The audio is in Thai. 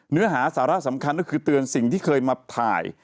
เนื้อหาสาระสำคัญก็คือเตือนสิ่งที่เคยมาถ่าย